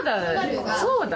そうだ。